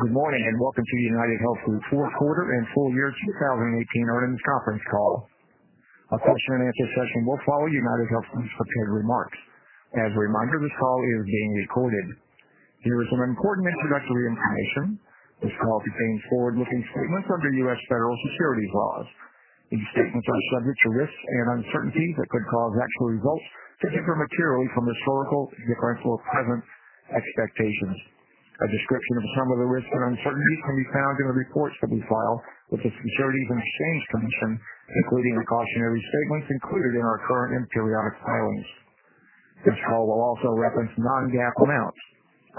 Good morning, welcome to UnitedHealth Group Fourth Quarter and Full Year 2018 Earnings Conference Call. A question-and-answer session will follow UnitedHealth Group's prepared remarks. As a reminder, this call is being recorded. Here is some important introductory information. This call contains forward-looking statements under U.S. federal securities laws. These statements are subject to risks and uncertainties that could cause actual results to differ materially from historical, differential, or present expectations. A description of some of the risks and uncertainties can be found in the reports that we file with the Securities and Exchange Commission, including the cautionary statements included in our current and periodic filings. This call will also reference non-GAAP amounts.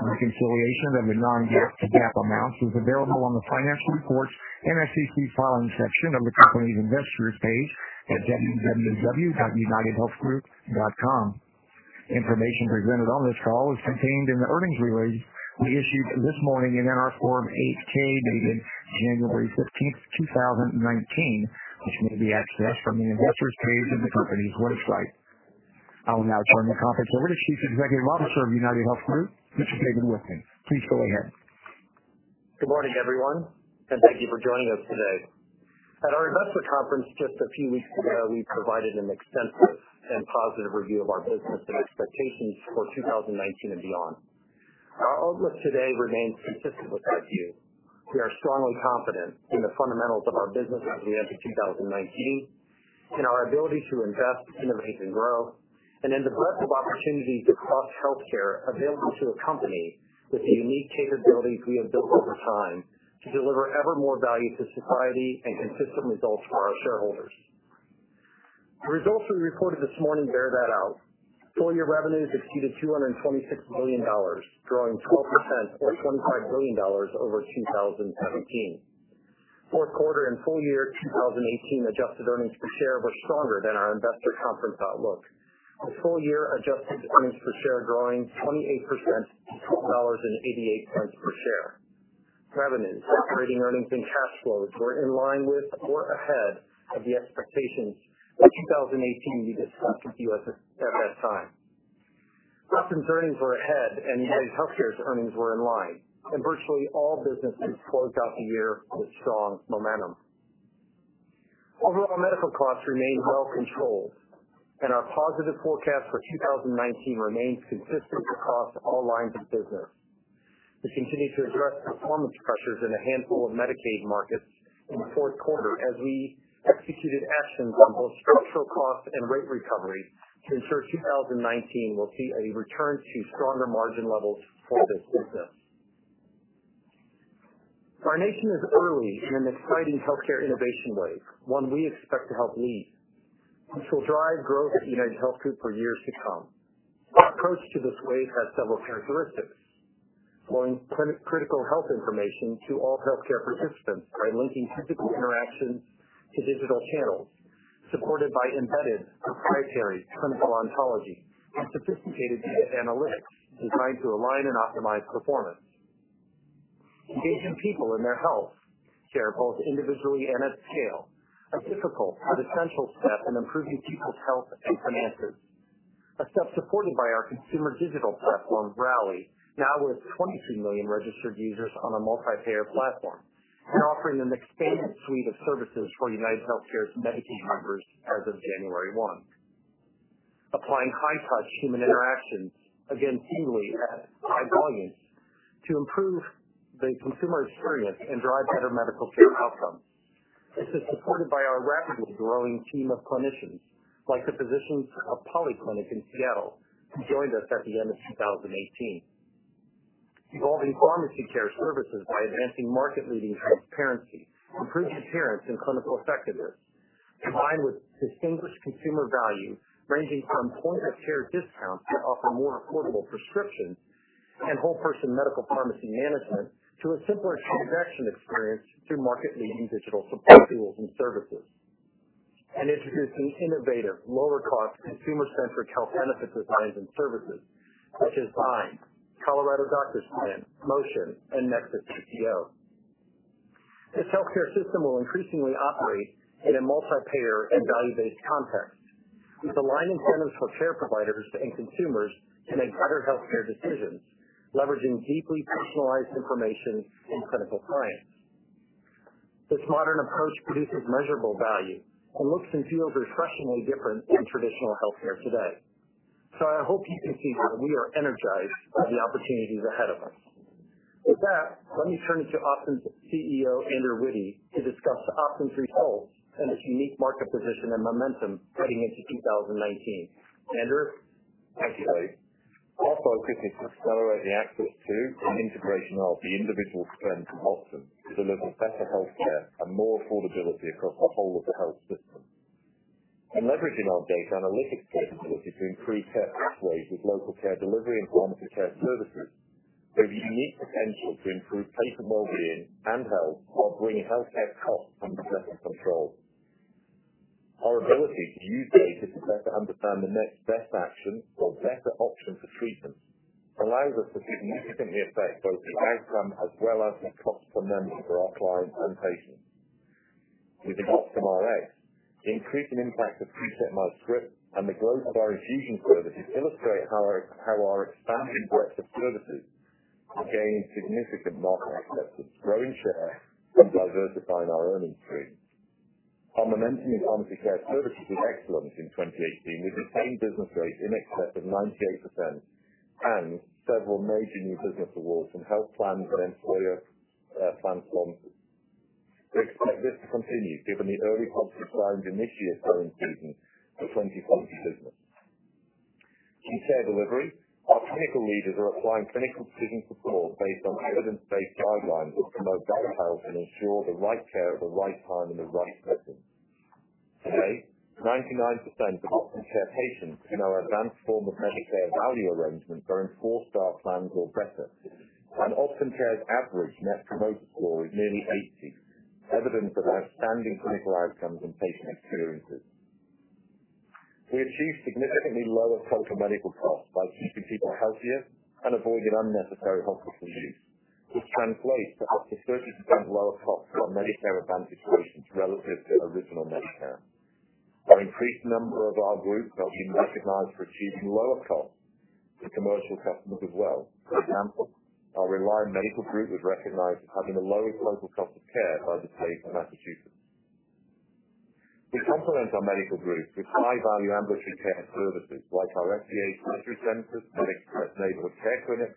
A reconciliation of the non-GAAP to GAAP amounts is available on the Financial Reports and SEC Filings section of the company's Investors page at www.unitedhealthgroup.com. Information presented on this call is contained in the earnings release we issued this morning in our Form 8-K, dated January 15th, 2019, which may be accessed from the Investors page on the company's website. I will now turn the conference over to Chief Executive Officer of UnitedHealth Group, Mr. David Wichmann. Please go ahead. Good morning, everyone, thank you for joining us today. At our investor conference just a few weeks ago, we provided an extensive and positive review of our business and expectations for 2019 and beyond. Our outlook today remains consistent with that view. We are strongly confident in the fundamentals of our business as we enter 2019, in our ability to invest, innovate, and grow, and in the breadth of opportunities across healthcare available to a company with the unique capabilities we have built over time to deliver ever more value to society and consistent results for our shareholders. The results we reported this morning bear that out. Full-year revenues exceeded $226 billion, growing 12% or $25 billion over 2017. Fourth quarter and full year 2018 adjusted earnings per share were stronger than our investor conference outlook. The full-year adjusted earnings per share growing 28% to $12.88 per share. Revenues, operating earnings, and cash flows were in line with or ahead of the expectations in 2018 we discussed with you at that time. Optum's earnings were ahead, and UnitedHealthcare's earnings were in line, and virtually all businesses closed out the year with strong momentum. Overall medical costs remained well controlled, our positive forecast for 2019 remains consistent across all lines of business. We continue to address performance pressures in a handful of Medicaid markets in the fourth quarter as we executed actions on both structural costs and rate recovery to ensure 2019 will see a return to stronger margin levels for this business. Our nation is early in an exciting healthcare innovation wave, one we expect to help lead, which will drive growth at UnitedHealth Group for years to come. Our approach to this wave has several characteristics. Flowing critical health information to all healthcare participants by linking physical interactions to digital channels, supported by embedded proprietary clinical ontology and sophisticated data analytics designed to align and optimize performance. Engaging people in their healthcare, both individually and at scale, a difficult but essential step in improving people's health and finances. A step supported by our consumer digital platform, Rally, now with 22 million registered users on a multi-payer platform and offering an expanded suite of services for UnitedHealthcare's Medicaid members as of January 1. Applying high-touch human interactions, again, seemingly at high volumes, to improve the consumer experience and drive better medical care outcomes. This is supported by our rapidly growing team of clinicians, like the physicians of The Polyclinic in Seattle, who joined us at the end of 2018. Introducing innovative, lower-cost, consumer-centric health benefit designs and services such as Bind, Colorado Doctors Plan, Motion, and NexusACO. This healthcare system will increasingly operate in a multi-payer and value-based context with aligned incentives for care providers and consumers to make better healthcare decisions, leveraging deeply personalized information and clinical science. This modern approach produces measurable value and looks and feels refreshingly different than traditional healthcare today. I hope you can see that we are energized by the opportunities ahead of us. With that, let me turn it to Optum's CEO, Andrew Witty, to discuss Optum's results and its unique market position and momentum heading into 2019. Andrew? Thank you, Dave. Our focus is to accelerate the access to and integration of the individual strengths of Optum to deliver better healthcare and more affordability across the whole of the health system. Leveraging our data analytics capabilities to increase care pathways with local care delivery and pharmacy care services has a unique potential to improve patient wellbeing and health while bringing healthcare costs under better control. Our ability to use data to better understand the next best action or better option for treatment allows us to significantly affect both the outcome as well as the cost per member for our clients and patients. With adoption of Rx, the increasing impact of PreCheck MyScript and the growth of our infusion services illustrate how our expanded breadth of services are gaining significant market acceptance, growing share, and diversifying our earnings stream. Our momentum in Optum Care services was excellent in 2018, with retained business rates in excess of 98% and several major new business awards from health plans and employer plan sponsors. We expect this to continue given the early positive signs in this year's selling season for 2020 business. In care delivery, our clinical leaders are applying clinical decision support based on evidence-based guidelines which promote better health and ensure the right care at the right time in the right setting. Today, 99% of Optum Care patients in our advanced form of Medicare value arrangement are in four-star plans or better, and Optum Care's average Net Promoter Score is nearly 80, evidence of outstanding clinical outcomes and patient experiences. We achieve significantly lower total medical costs by keeping people healthier and avoiding unnecessary hospital use, which translates to up to 30% lower costs for our Medicare Advantage patients relative to original Medicare. An increased number of our groups are being recognized for achieving lower costs for commercial customers as well. For example, our Reliant Medical Group was recognized as having the lowest total cost of care by the state of Massachusetts. We complement our medical groups with high-value ambulatory care services like our ASC surgery centers, MedExpress neighborhood care clinics,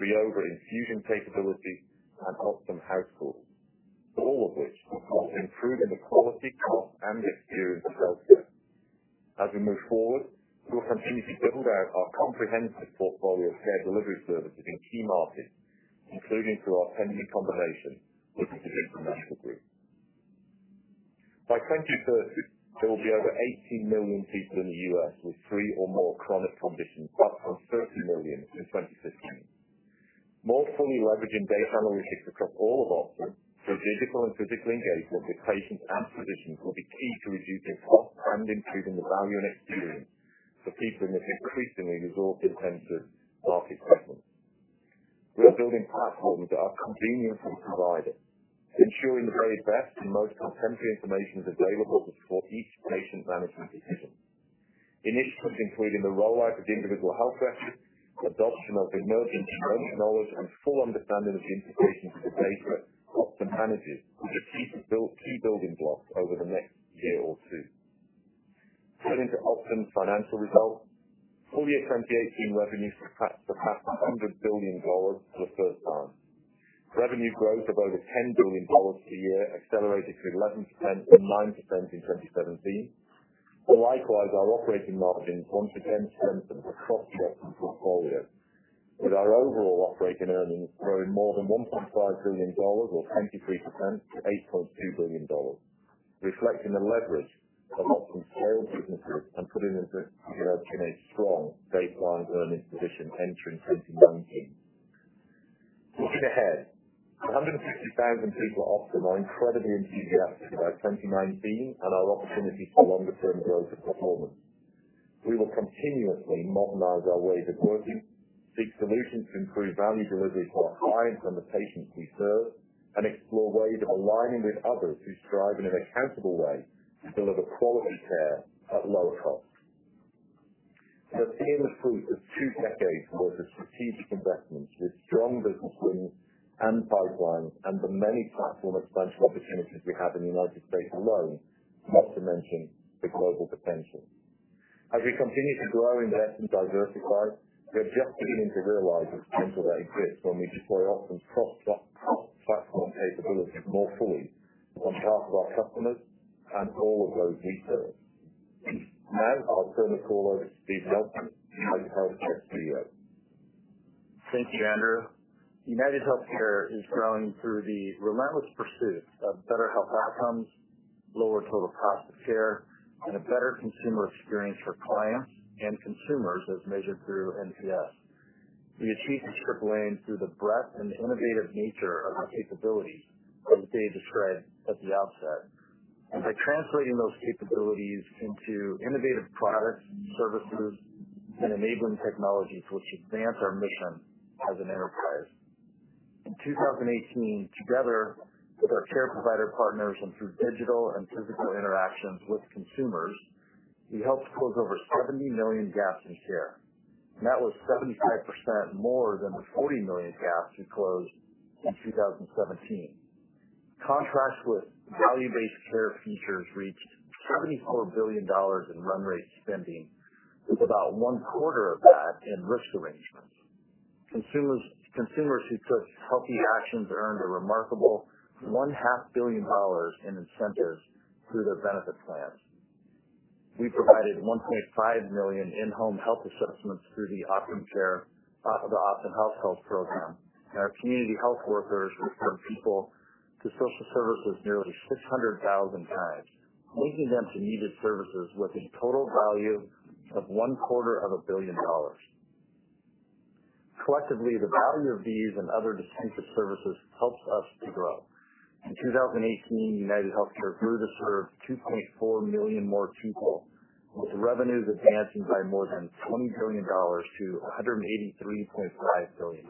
BriovaRx infusion capability, and Optum HouseCalls, all of which will help in improving the quality, cost, and experience of health care. As we move forward, we will continue to build out our comprehensive portfolio of care delivery services in key markets, including through our pending combination with the Physician National Group. By 2030, there will be over 18 million people in the U.S. with three or more chronic conditions, up from 13 million in 2015. More fully leveraging data analytics across all of Optum through digital and physical engagement with patients and physicians will be key to reducing costs and improving the value and experience for people in this increasingly resource-intensive market segment. We are building platforms that are convenient for providers, ensuring the very best and most contemporary information is available to support each patient management decision. Initiatives including the rollout of individual health records, adoption of emerging genetic knowledge, and full understanding of the integration of the data Optum manages are key building blocks over the next year or two. Turning to Optum's financial results, full year 2018 revenues surpassed $100 billion for the first time. Revenue growth of over $10 billion per year accelerated to 11% from 9% in 2017. Likewise, our operating margins once again strengthened across segments and portfolios, with our overall operating earnings growing more than $1.5 billion or 23% to $8.2 billion, reflecting the leverage of Optum's scale businesses and putting them in a strong baseline earnings position entering 2019. Looking ahead, the 150,000 people at Optum are incredibly enthusiastic about 2019 and our opportunities for longer-term growth and performance. We will continuously modernize our ways of working, seek solutions to improve value delivery for clients and the patients we serve, and explore ways of aligning with others who strive in an accountable way to deliver quality care at lower cost. We are seeing the fruit of two decades' worth of strategic investments with strong business wins and pipelines and the many platform expansion opportunities we have in the U.S. alone, not to mention the global potential. As we continue to grow, invest, and diversify, we are just beginning to realize the potential that exists when we deploy Optum's cross-platform capabilities more fully on behalf of our customers and all of those we serve. I'll turn the call over to Steve Nelson, UnitedHealthcare CEO. Thank you, Andrew. UnitedHealthcare is growing through the relentless pursuit of better health outcomes, lower total cost of care, and a better consumer experience for clients and consumers as measured through NPS. We achieve this triple aim through the breadth and innovative nature of our capabilities, as Dave described at the outset, and by translating those capabilities into innovative products, services, and enabling technologies which advance our mission as an enterprise. In 2018, together with our care provider partners and through digital and physical interactions with consumers, we helped close over 70 million gaps in care. That was 75% more than the 40 million gaps we closed in 2017. Contracts with value-based care features reached $74 billion in run rate spending, with about one-quarter of that in risk arrangements. Consumers who took healthy actions earned a remarkable one-half billion dollars in incentives through their benefit plans. We provided 1.5 million in-home health assessments through the Optum HouseCalls program, and our community health workers referred people to social services nearly 600,000x, linking them to needed services with a total value of one quarter of a billion dollars. Collectively, the value of these and other distinctive services helps us to grow. In 2018, UnitedHealthcare grew to serve 2.4 million more people, with revenues advancing by more than $20 billion to $183.5 billion.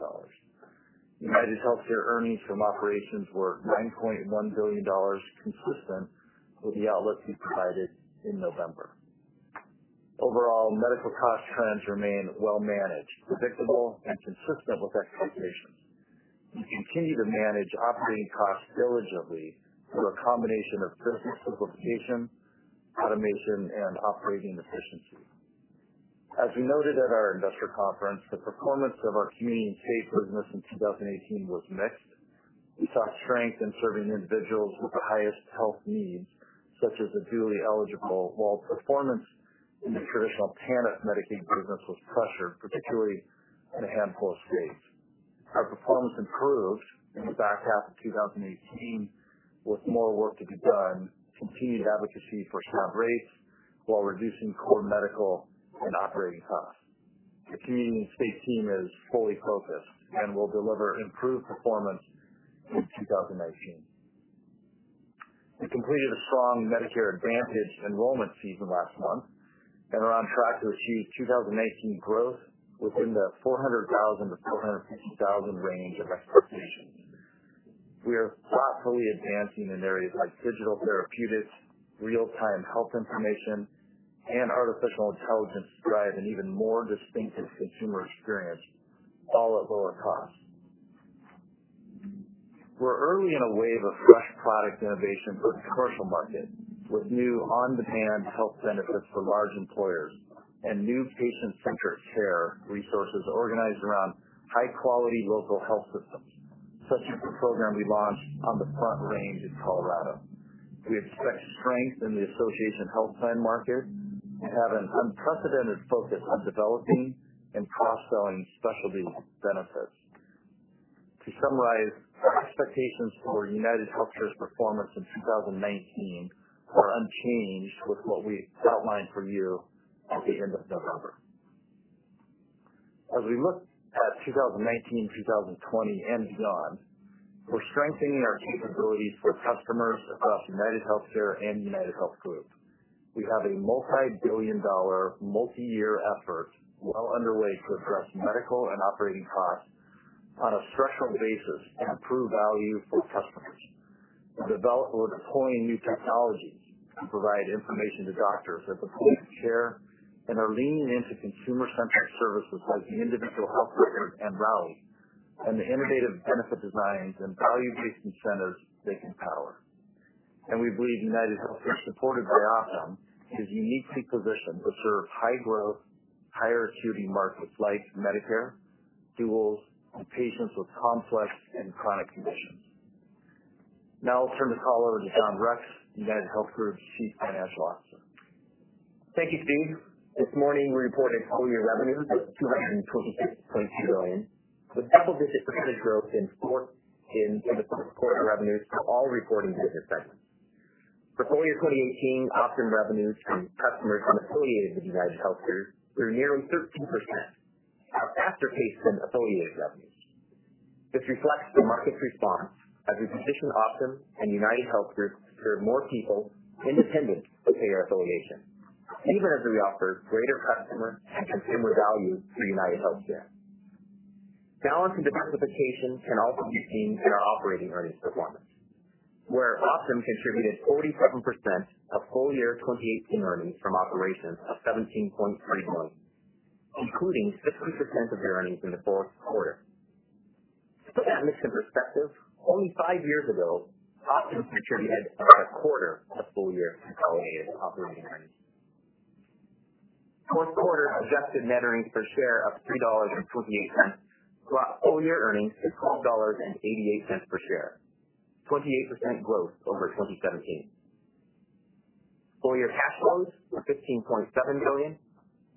UnitedHealthcare earnings from operations were $9.1 billion, consistent with the outlook we provided in November. Overall, medical cost trends remain well managed, predictable, and consistent with expectations. We continue to manage operating costs diligently through a combination of service simplification, automation, and operating efficiency. As we noted at our investor conference, the performance of our Community and State business in 2018 was mixed. We saw strength in serving individuals with the highest health needs, such as the dually eligible, while performance in the traditional TANF Medicaid business was pressured, particularly in a handful of states. Our performance improves in the back half of 2018, with more work to be done, continued advocacy for strong rates, while reducing core medical and operating costs. The Community and State team is fully focused and will deliver improved performance in 2019. We completed a strong Medicare Advantage enrollment season last month and are on track to achieve 2019 growth within the 400,000 to 450,000 range of expectations. We are thoughtfully advancing in areas like digital therapeutics, real-time health information, and artificial intelligence to drive an even more distinctive consumer experience, all at lower cost. We're early in a wave of fresh product innovation for the commercial market, with new on-demand health benefits for large employers and new patient-centered care resources organized around high-quality local health systems, such as the program we launched on the Front Range in Colorado. We expect strength in the association health plan market and have an unprecedented focus on developing and cross-selling specialty benefits. To summarize, our expectations for UnitedHealth's performance in 2019 are unchanged with what we outlined for you at the end of November. As we look at 2019, 2020, and beyond, we're strengthening our capabilities for customers across UnitedHealthcare and UnitedHealth Group. We have a multi-billion dollar, multi-year effort well underway to address medical and operating costs on a structural basis and improve value for customers. We're deploying new technologies to provide information to doctors at the point of care, are leaning into consumer-centric services like the individual health record and Rally, and the innovative benefit designs and value-based incentives they can power. We believe UnitedHealth Group, supported by Optum, is uniquely positioned to serve high-growth, higher acuity markets like Medicare, duals, and patients with complex and chronic conditions. Now I'll turn the call over to John Rex, UnitedHealth Group's Chief Financial Officer. Thank you, Steve. This morning, we reported full-year revenues of $226.2 billion, with double-digit percentage growth in support revenues for all reporting business segments. For full-year 2018, Optum revenues from customers unaffiliated with UnitedHealthcare were nearly 13%, a faster pace than affiliated revenues. This reflects the market's response as we position Optum and UnitedHealth Group to serve more people independent of payer affiliation, even as we offer greater customer and consumer value through UnitedHealthcare. Balance and diversification can also be seen in our operating earnings performance, where Optum contributed 47% of full-year 2018 earnings from operations of $17.3 billion, including 50% of the earnings in the fourth quarter. To put that mix in perspective, only five years ago, Optum contributed about a quarter of full-year affiliated operating earnings. Fourth quarter adjusted net earnings per share of $3.28, full-year earnings of $12.88 per share, 28% growth over 2017. Full-year cash flows were $15.7 billion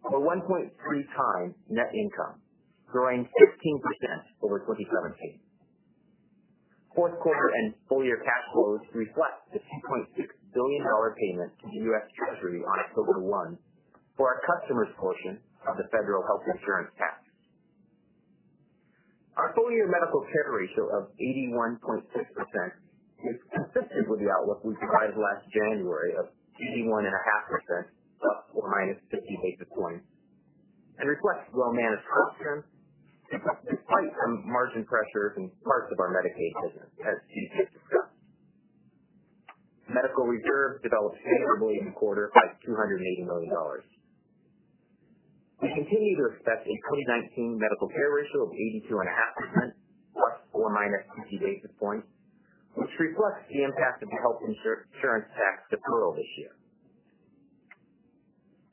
or 1.3 times net income, growing 15% over 2017. Fourth quarter and full-year cash flows reflect the $2.6 billion payment to the U.S. Treasury on October 1 for our customers' portion of the federal Health Insurance Tax. Our full-year medical care ratio of 81.6% is consistent with the outlook we provided last January of 81.5%, ±50 basis points, and reflects well-managed cost trends, despite some margin pressures in parts of our Medicaid business, as Steve just discussed. Medical reserves developed favorably in the quarter by $280 million. We continue to expect a 2019 medical care ratio of 82.5%, ±50 basis points, which reflects the impact of the Health Insurance Tax deferral this year.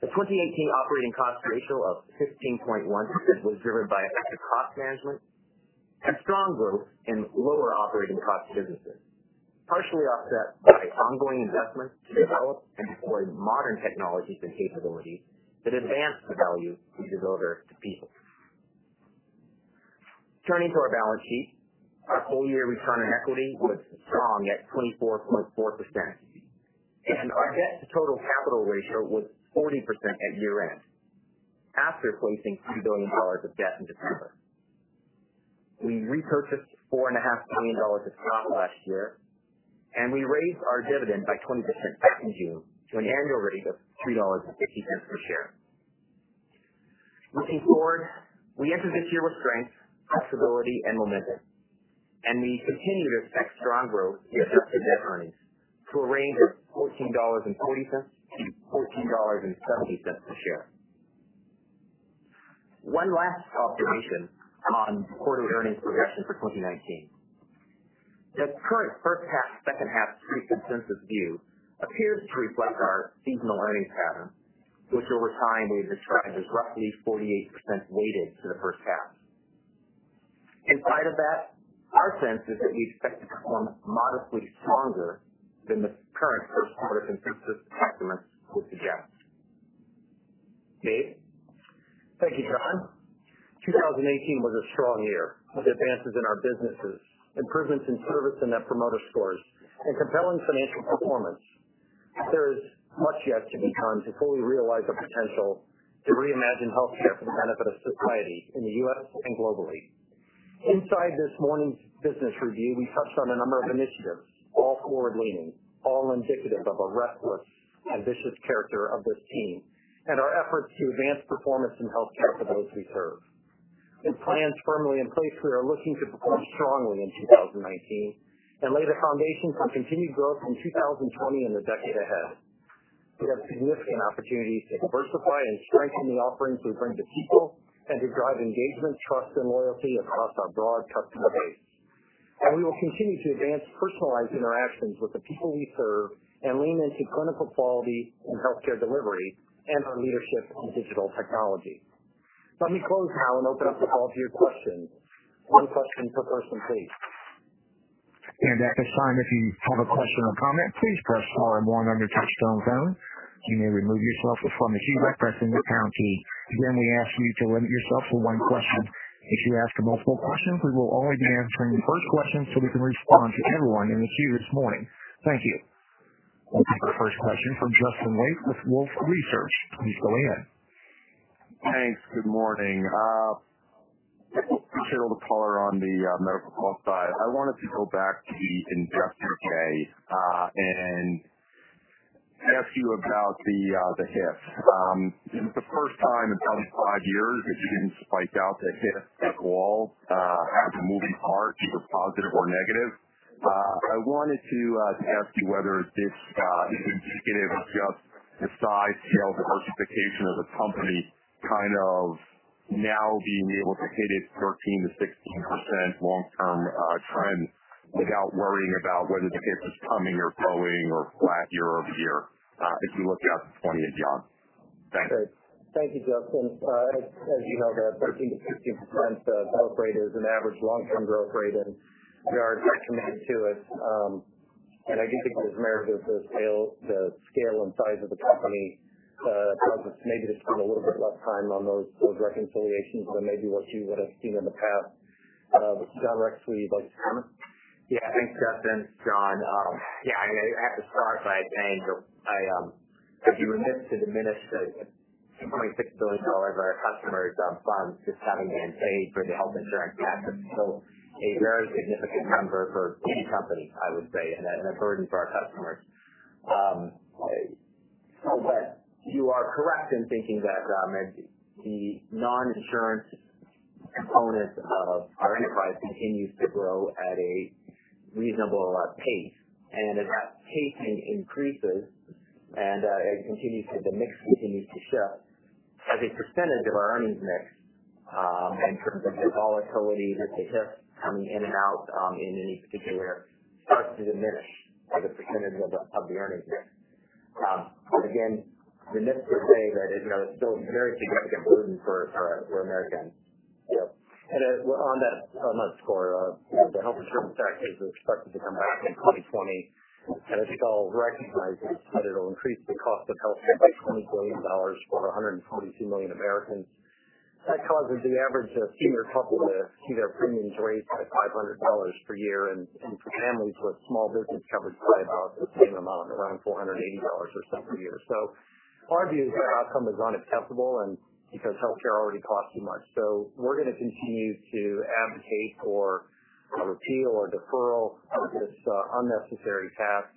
The 2018 operating cost ratio of 15.1% was driven by effective cost management and strong growth in lower operating cost businesses, partially offset by ongoing investments to develop and deploy modern technologies and capabilities that advance the value we deliver to people. Turning to our balance sheet, our full-year return on equity was strong at 24.4%, and our debt to total capital ratio was 40% at year-end, after placing $2 billion of debt in December. We repurchased $4.5 billion of stock last year, and we raised our dividend by 20% back in June to an annual rate of $3.56 per share. Looking forward, we enter this year with strength, flexibility, and momentum, and we continue to expect strong growth in adjusted net earnings to a range of $14.40-$14.70 per share. One last observation on quarterly earnings progression for 2019. The current first half, second half street consensus view appears to reflect our seasonal earnings pattern, which over time we've described as roughly 48% weighted to the first half. Inside of that, our sense is that we expect to perform modestly stronger than the current first quarter consensus estimates would suggest. Dave? Thank you, John. 2018 was a strong year, with advances in our businesses, improvements in service and net promoter scores, and compelling financial performance. There is much yet to be done to fully realize the potential to reimagine healthcare for the benefit of society in the U.S. and globally. Inside this morning's business review, we touched on a number of initiatives, all forward-leaning, all indicative of a restless, ambitious character of this team and our efforts to advance performance in healthcare for those we serve. With plans firmly in place, we are looking to perform strongly in 2019 and lay the foundation for continued growth in 2020 and the decade ahead. We have significant opportunities to diversify and strengthen the offerings we bring to people and to drive engagement, trust, and loyalty across our broad customer base. We will continue to advance personalized interactions with the people we serve and lean into clinical quality in healthcare delivery and our leadership in digital technology. Let me close now and open up to all of your questions. One question per person, please. At this time, if you have a question or comment, please press star one on your touch-tone phone. You may remove yourself from the queue by pressing the pound key. Again, we ask you to limit yourself to one question. If you ask multiple questions, we will only be answering the first question so we can respond to everyone in the queue this morning. Thank you. We'll take our first question from Justin Lake with Wolfe Research. Please go ahead. Thanks. Good morning. I appreciate all the color on the medical cost side. I wanted to go back to the Investor Day, and ask you about the HIP. It was the first time in probably five years that you didn't spike out the HIP at all as a moving part, either positive or negative. I wanted to ask you whether this is indicative of just the size, scale, diversification of the company, kind of now being able to hit a 13%-16% long-term trend without worrying about whether the HIP is coming or going or flat year-over-year as you look out to 2020 and beyond. Thanks. Thank you, Justin. As you know, that 13%-16% growth rate is an average long-term growth rate, and we are committed to it. I do think there's merit of the scale and size of the company that lets us maybe just spend a little bit less time on those reconciliations than maybe what you would have seen in the past. John Rex, would you like to comment? Thanks, Justin. John. I have to start by saying that I'd be remiss to diminish the $2.6 billion of our customers' funds just sitting in unpaid for the Health Insurance Tax. That's still a very significant number for any company, I would say, and a burden for our customers. You are correct in thinking that the non-insurance component of our enterprise continues to grow at a reasonable pace. As that pace increases and as the mix continues to shift, as a percentage of our earnings mix, in terms of the volatility with the HIPs coming in and out, in any particular starts to diminish as a percentage of the earnings mix. Again, I would be remiss to say that it's still a very significant burden for Americans. On that score, the Health Insurance Tax is expected to come back in 2020, and I think all recognize that it'll increase the cost of healthcare by $20 billion for 122 million Americans. That causes the average senior couple to see their premiums raised by $500 per year, and for families with small business coverage by about the same amount, around $480 or so per year. Our view is that outcome is unacceptable, and because healthcare already costs too much. We're going to continue to advocate for a repeal or deferral of this unnecessary tax.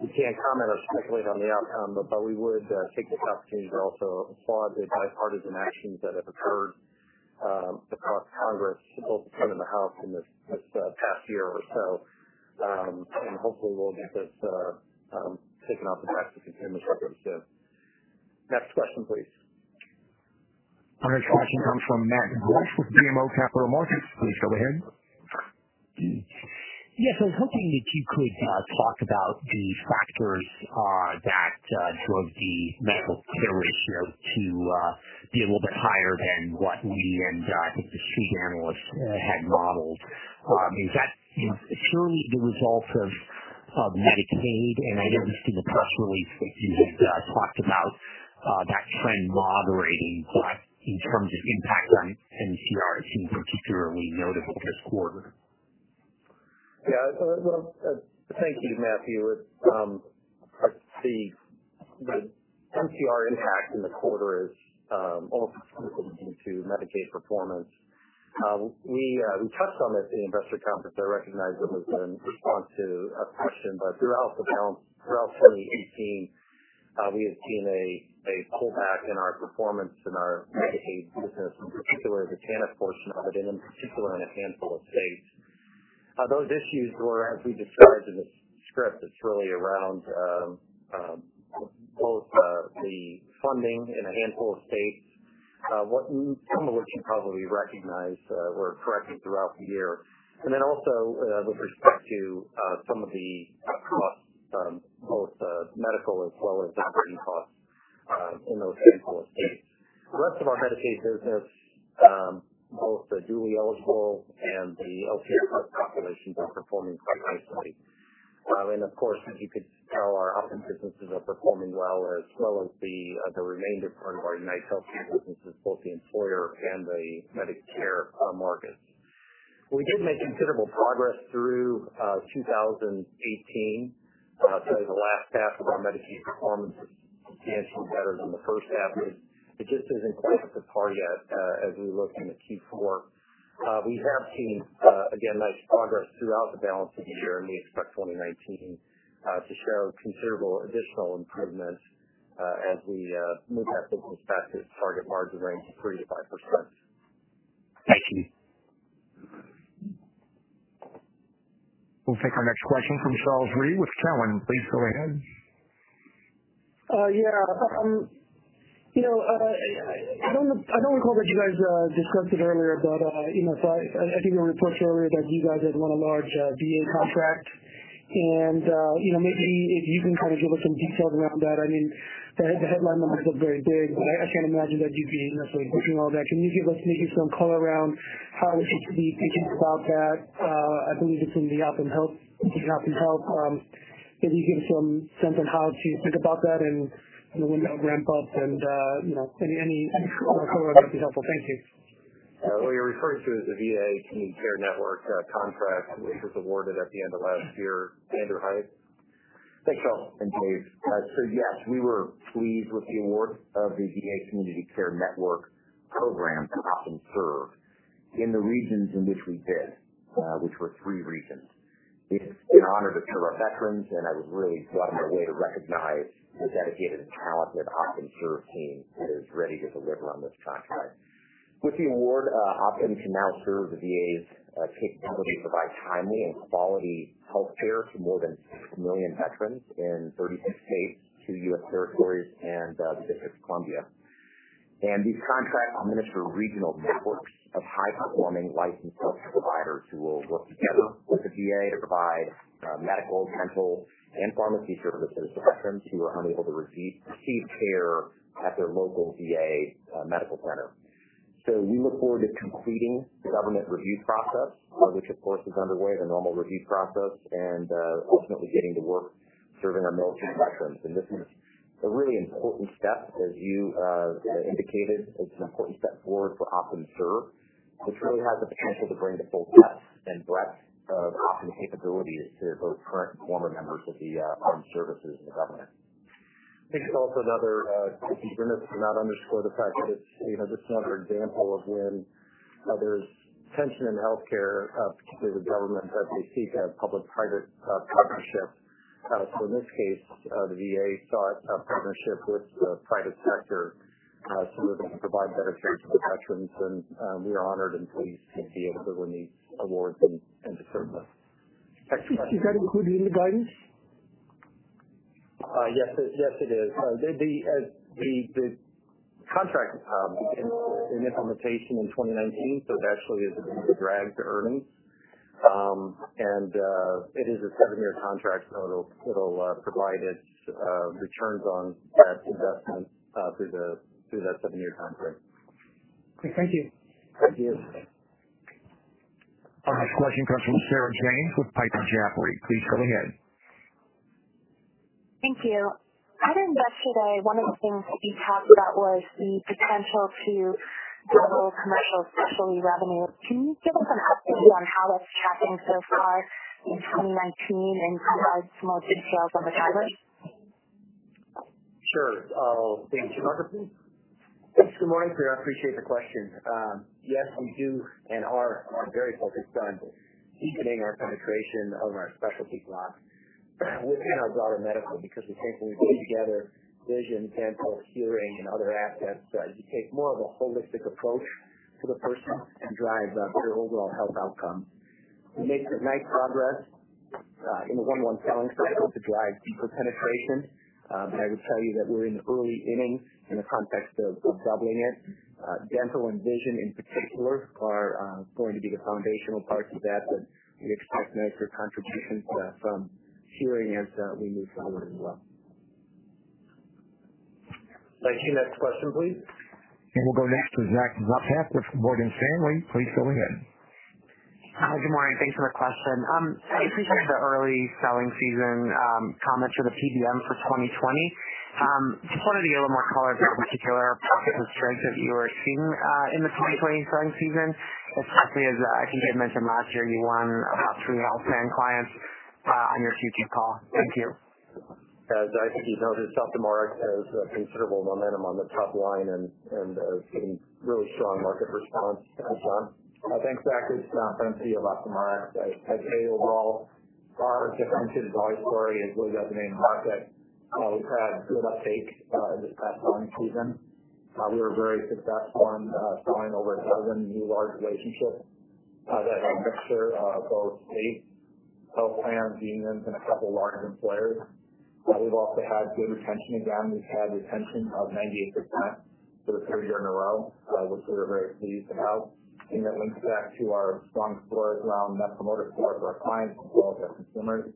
We can't comment or speculate on the outcome, but we would take this opportunity to also applaud the bipartisan actions that have occurred across Congress, both the Senate and the House in this past year or so. Hopefully we'll get this taken off the books in this regard soon. Next question, please. Our next question comes from Matthew Borsch with BMO Capital Markets. Please go ahead. I was hoping that you could talk about the factors that drove the medical care ratio to be a little bit higher than what we and, I think, the street analysts had modeled. Is that purely the result of Medicaid? I noticed in the press release that you had talked about that trend moderating, but in terms of impact on MCR, it seemed particularly noticeable this quarter. Yeah. Thank you, Matthew. The MCR impact in the quarter is almost to Medicaid performance. We touched on this in the investor conference. I recognize it was in response to a question. Throughout 2018, we have seen a pullback in our performance in our Medicaid business, in particular the TANF portion of it, and in particular in a handful of states. Those issues were, as we discussed in the script, it's really around both the funding in a handful of states, some of which you probably recognize, or corrected throughout the year, and then also with respect to some of the costs, both medical as well as operating costs in those handful of states. The rest of our Medicaid business, both the dually eligible and the LTSS population, are performing quite nicely. Of course, as you could tell, our Optum businesses are performing well, as well as the remainder part of our UnitedHealth businesses, both the employer and the Medicare markets. We did make considerable progress through 2018. I'd say the last half of our Medicaid performance was substantially better than the first half. It just isn't quite at the par yet as we look into Q4. We have seen, again, nice progress throughout the balance of the year. We expect 2019 to show considerable additional improvements as we move that business back to its target margin range of 3%-5%. Thank you. We'll take our next question from Charles Rhyee with Cowen. Please go ahead. I don't recall that you guys discussed it earlier. I think in a report earlier that you guys had won a large VA contract, and maybe if you can kind of give us some details around that. The headline numbers look very big, but I can't imagine that you'd be necessarily booking all that. Can you give us maybe some color around how we should be thinking about that? I believe it's in the OptumHealth. Maybe give some sense on how to think about that and when that'll ramp up, and any color on that would be helpful. Thank you. What you're referring to is the VA Community Care Network contract, which was awarded at the end of last year. Andrew, hi. Thanks, Charles and Dave. Yes, we were pleased with the award of the VA Community Care Network program to Optum Serve in the regions in which we bid, which were three regions. It's an honor to serve our veterans, and I was really glad in a way to recognize the dedicated talent of the Optum Serve team that is ready to deliver on this contract. With the award, Optum can now serve the VA's capability to provide timely and quality healthcare to more than 6 million veterans in 36 states, 2 U.S. territories, and the District of Columbia. These contracts administer regional networks of high-performing licensed healthcare providers who will work together with the VA to provide medical, mental, and pharmacy services to veterans who are unable to receive care at their local VA medical center. We look forward to completing the government review process, which of course is underway, the normal review process, and ultimately getting to work serving our military veterans. This is a really important step, as you indicated. It's an important step forward for Optum Serve, which really has the potential to bring the full depth and breadth of Optum capabilities to both current and former members of the armed services and the government. I think it's also another, to be remiss to not underscore the fact that it's just another example of when there's tension in healthcare, particularly the government, as they seek a public-private partnership. In this case, the VA sought a partnership with the private sector so that they can provide better care to the veterans, and we are honored and pleased to be able to win the award and to serve them. Excuse me. Is that included in the guidance? Yes, it is. The contract will begin in implementation in 2019, so it actually is a drag to earnings. It is a seven-year contract, so it'll provide its returns on that investment through that seven-year contract. Okay. Thank you. Thank you. Our next question comes from Sarah James with Piper Jaffray. Please go ahead. Thank you. At Investor Day, one of the things that you talked about was the potential to double commercial specialty revenue. Can you give us an update on how that's tracking so far in 2019 and provide some more details on the drivers? Sure. Thank you. Dan Sumacher, please. Thanks. Good morning, Sarah. I appreciate the question. Yes, we do and are very focused on deepening our penetration of our specialty blocks within our broader medical because we think when we bring together vision, dental, hearing, and other assets, you take more of a holistic approach to the person and drive better overall health outcomes. We make nice progress in the one-one selling cycle to drive deeper penetration, but I would tell you that we're in the early innings in the context of doubling it. Dental and vision in particular are going to be the foundational parts of that, but we expect nicer contributions from hearing as we move forward as well. Thank you. Next question, please. We'll go next to Zach Sopcak with Morgan Stanley. Please go ahead. Hi. Good morning. Thanks for the question. I appreciate the early selling season comments for the PBM for 2020. Just wanted to get a little more color, in particular, pockets of strength that you are seeing in the 2020 selling season, especially as I think I mentioned last year, you won about three health plan clients on your future call. Thank you. As I think you noted, OptumRx has considerable momentum on the top line and is getting really strong market response. John? Thanks, Zach. It's John Prince of OptumRx. I'd say overall, our differentiated value story is really resonating in the market. We've had good uptake in this past selling season. We were very successful in selling over 12 new large relationships. That's a mixture of both state health plans, Medicaid, and a couple large employers. We've also had good retention. Again, we've had retention of 98% for the third year in a row, which we are very pleased to have. And that links back to our strong story around Net Promoter Score for our clients as well as our consumers.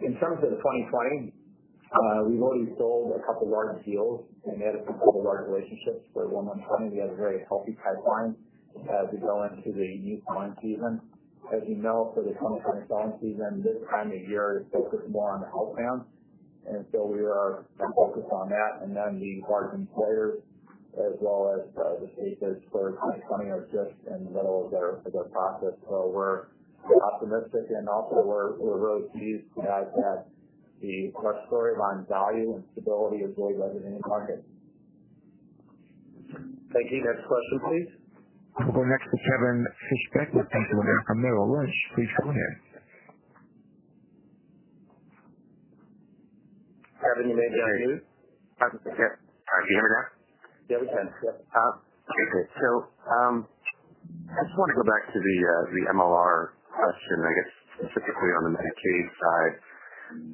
In terms of 2020, we've already sold a couple large deals and added a couple of large relationships for 2021. We have a very healthy pipeline as we go into the new selling season. As you know, for the 2020 selling season, this time of year is focused more on the health plans. We are focused on that, and then the large employers, as well as the states, as for 2020, are just in the middle of their process. We're optimistic, and also we're really pleased that our story around value and stability is really resonating in the market. Thank you. Next question, please. We'll go next to Kevin Fischbeck with Bank of America from Merrill Lynch. Please go ahead. Kevin, you may be on mute. Yep. Do you hear me now? Yeah, we can. Yep. Okay. I just want to go back to the MLR question, I guess specifically on the Medicaid side.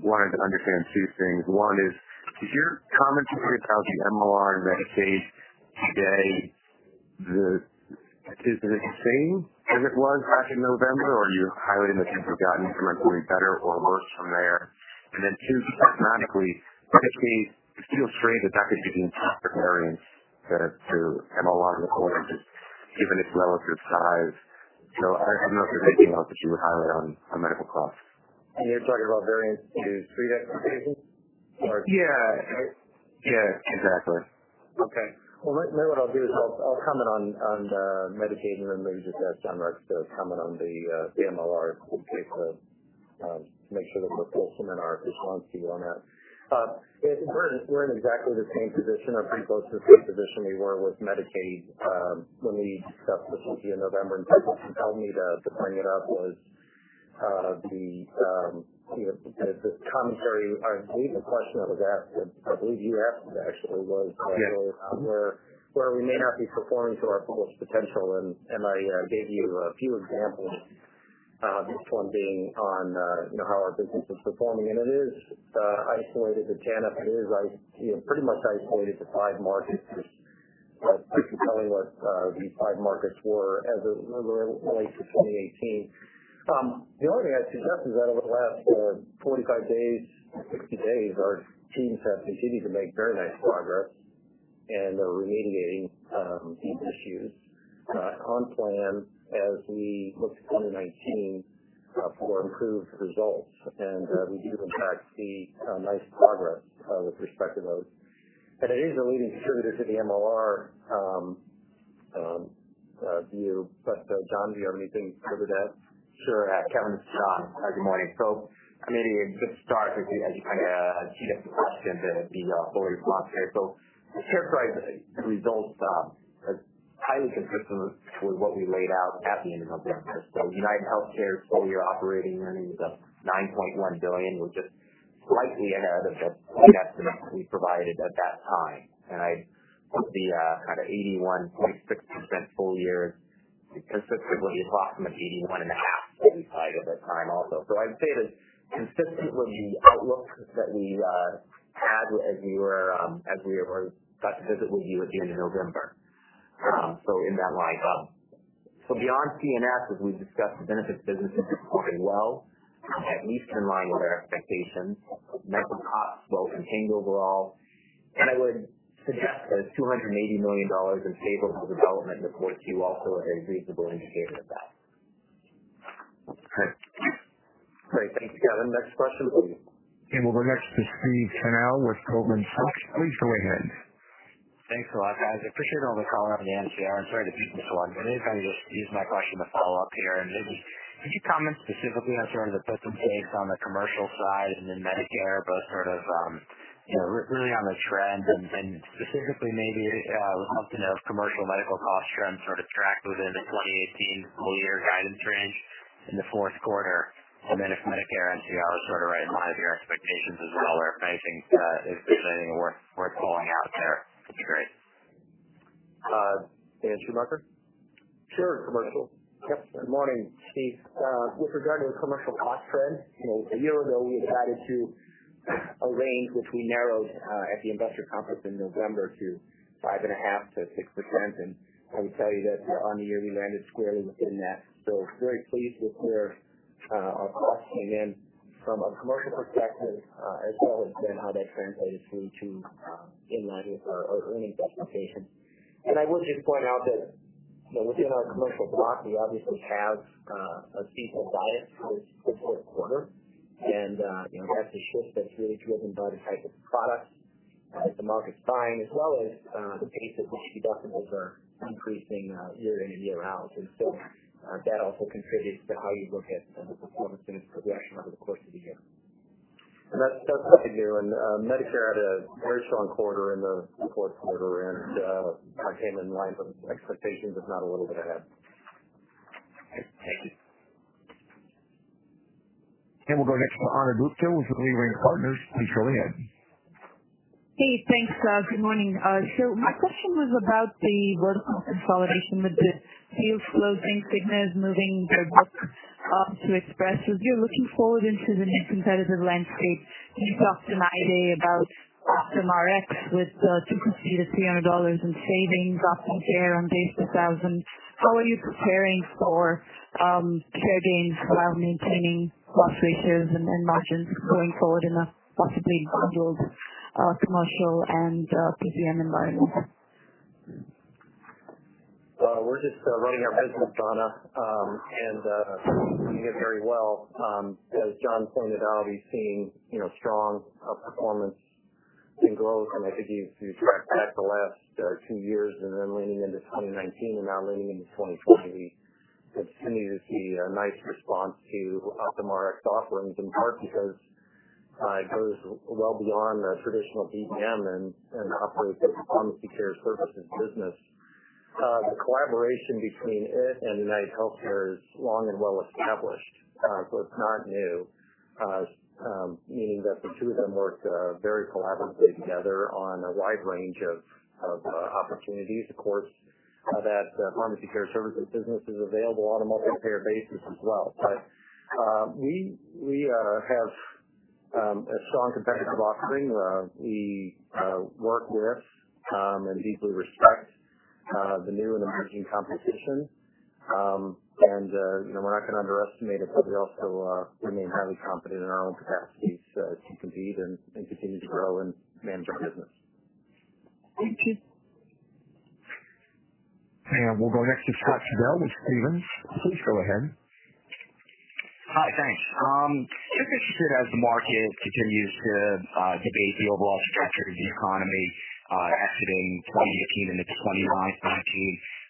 Wanted to understand two things. One is your commentary about the MLR and Medicaid today, is it the same as it was back in November? Do you highlight anything you've gotten from it, going better or worse from there? Two, systematically, specifically, feel free to talk to the variance to MLR in the quarter, given its relative size. I don't know if there's anything else that you would highlight on medical costs. You're talking about variance to [three days]? Yeah, exactly. Okay. Well, maybe what I'll do is I'll comment on the Medicaid, then maybe just ask John Rex to comment on the MLR paper, to make sure that we're full seminar if he wants to on that. We're in exactly the same position or pretty close to the same position we were with Medicaid, when we discussed this with you in November. Part of what you told me to bring it up was the commentary or I believe the question that was asked, I believe you asked it actually was. Yes. Where we may not be performing to our fullest potential, I gave you a few examples, this one being on how our business is performing, it is isolated to TANF. It is pretty much isolated to five markets. I should tell you what these five markets were as of late 2018. The only thing I'd suggest is that over the last 45 days or 60 days, our teams have continued to make very nice progress, they're remediating these issues on plan as we look to 2019 for improved results. We do in fact see nice progress with respect to those. It is a leading contributor to the MLR view. John, do you have anything further to add? Sure. Kevin, it's John. Good morning. Maybe just start with, as you kind of teed up the question, the full response there. The share price results are highly consistent with what we laid out at the end of November. UnitedHealthcare's full-year operating earnings of $9.1 billion was just slightly ahead of the point estimate we provided at that time. I put the 81.6% full year consistent with what you'd approximate 81.5% we provided at that time also. I'd say it is consistent with the outlook that we had as we were set to visit with you at the end of November. In that light. Beyond C&S, as we've discussed, the benefits business is performing well, at least in line with our expectations. Medical costs well contained overall. I would suggest that $280 million in favorable development in the 4Q also is a reasonable indicator of that. Thanks. Great. Thank you, Kevin. Next question, please. We'll go next to Steve Tanal with Goldman Sachs. Please go ahead. Thanks a lot, guys. I appreciate another call on the MCR. I'm sorry to beat this one, but I just use my question to follow up here. Maybe could you comment specifically on sort of the put some dates on the commercial side and then Medicare, both sort of really on the trend and specifically maybe commercial medical cost trends sort of tracked within the 2018 full year guidance range in the fourth quarter, and then if Medicare MCR was sort of right in line with your expectations as well, or if there's anything worth calling out there, that'd be great. Dan Schumacher? Yep, good morning, Steve. With regard to the commercial cost trend, a year ago, we had guided to a range which we narrowed at the investor conference in November to 5.5%-6%. I would tell you that on the year, we landed squarely within that. Very pleased with where our costs came in from a commercial perspective, as well as then how that translated through to in line with our earnings expectations. I would just point out that within our commercial block, we obviously have a seasonal diet for this fourth quarter. That's a shift that's really driven by the type of products as the market's buying, as well as the pace at which we got them over increasing year in and year out. That also contributes to how you look at the performance and its progression over the course of the year. That's something new, Medicare had a very strong quarter in the fourth quarter and came in line with expectations, if not a little bit ahead. Thank you. We'll go next to Ana Gupte with Leerink Partners. Please go ahead. Thanks. Good morning. My question was about the vertical consolidation with the deals closing, Cigna is moving their book onto Express. As you're looking forward into the new competitive landscape, can you talk to my idea about OptumRx with the frequency of $300 in savings up for share on base per thousand. How are you preparing for share gains, maintaining loss ratios and margins going forward in a possibly bundled commercial and PBM environment? We're just running our business, Ana, and doing it very well. As John pointed out, he's seeing strong performance in growth. I think if you track back the last two years and then leading into 2019 and now leading into 2020, we continue to see a nice response to OptumRx offerings, in part because it goes well beyond the traditional PBM and operates as a pharmacy care services business. The collaboration between it and UnitedHealthcare is long and well established, so it's not new, meaning that the two of them work very collaboratively together on a wide range of opportunities. Of course, that pharmacy care services business is available on a multi-payer basis as well. We have a strong competitive offering. We work with, and deeply respect, the new and emerging competition. We're not going to underestimate it, we also remain highly confident in our own capacities to compete and continue to grow and manage our business. Thank you. Next, we'll go to Scott Fidel with Stephens. Please go ahead. Hi, thanks. Just interested as the market continues to debate the overall trajectory of the economy exiting 2018 into 2019.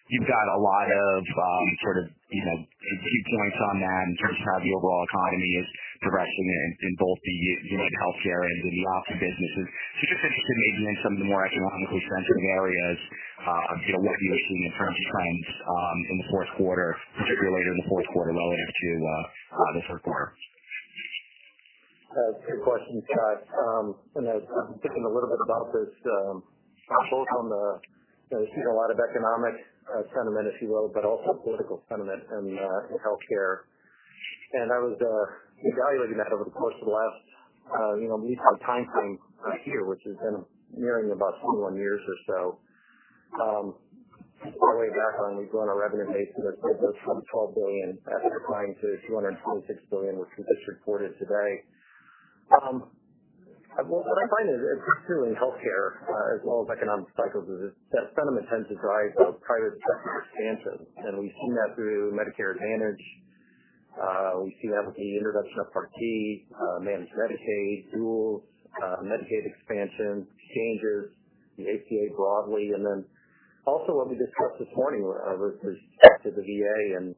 You've got a lot of key points on that in terms of how the overall economy is progressing in both the UnitedHealthcare and in the Optum businesses. Just interested maybe in some of the more economically sensitive areas, what you're seeing in terms of trends in the fourth quarter, particularly later in the fourth quarter related to this report. It's a good question, Scott. I was thinking a little bit about this, seeing a lot of economic sentiment, if you will, but also political sentiment in healthcare. I was evaluating that over the course of the last time frame here, which has been nearing about 21 years or so. All the way back when we've grown our revenue base from $12 billion at the time to $226 billion, which we just reported today. What I find is, particularly in healthcare as well as economic cycles, is that sentiment tends to drive private sector expansion. We've seen that through Medicare Advantage. We see that with the introduction of Part D, managed Medicaid, dual, Medicaid expansion, exchanges, the ACA broadly. Also what we discussed this morning was access to the VA and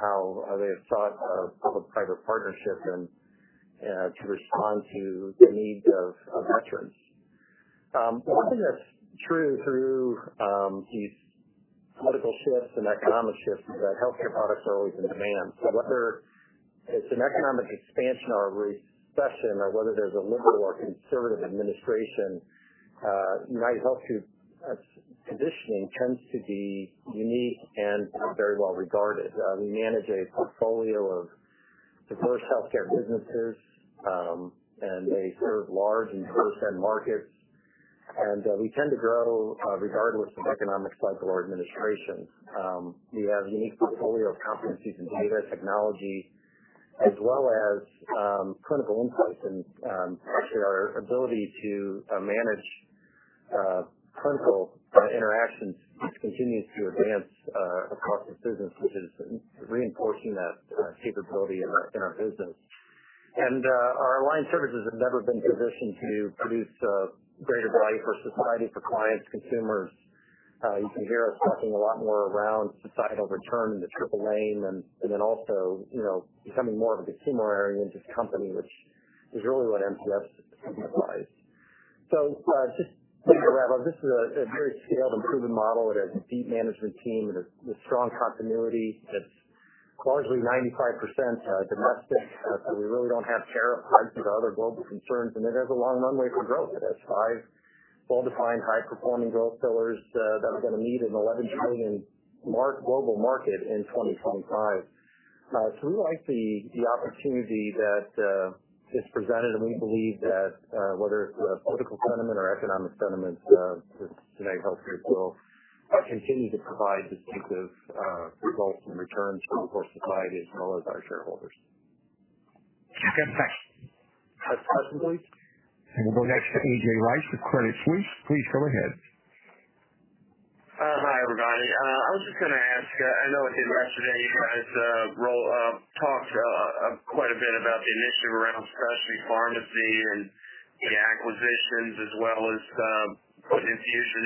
how they have sought a public-private partnership and to respond to the needs of veterans. One thing that's true through these political shifts and economic shifts is that healthcare products are always in demand. Whether it's an economic expansion or a recession or whether there's a liberal or conservative administration, UnitedHealth Group positioning tends to be unique and very well regarded. We manage a portfolio of diverse healthcare businesses, and they serve large and diverse end markets. We tend to grow regardless of economic cycle or administration. We have a unique portfolio of competencies in data technology as well as clinical insights and actually our ability to manage clinical interactions, which continues to advance across the business, which is reinforcing that capability in our business. Our aligned services have never been positioned to produce greater value for society, for clients, consumers. You can hear us talking a lot more around societal return and the triple aim and then also, becoming more of a consumer-oriented company, which is really what NPS signifies. Just to wrap up, this is a very scaled, improving model. It has a deep management team with strong continuity that's largely 95% domestic. We really don't have tariff hikes or other global concerns, and it has a long runway for growth. It has five well-defined, high-performing growth pillars that are going to meet an 11 trillion global market in 2025. We like the opportunity that is presented, and we believe that whether it's political sentiment or economic sentiment, that UnitedHealthcare will continue to provide distinctive results and returns for both society as well as our shareholders. Thanks. That's helpful. We'll go next to A.J. Rice with Credit Suisse. Please go ahead. Hi. I was just going to ask, I know at Investor Day, you guys talked quite a bit about the initiative around specialty pharmacy and the acquisitions, as well as putting infusion